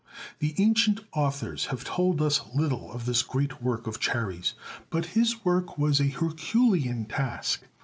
The ancient authors have told us little of this great work of Chares, but his was a Herculean task.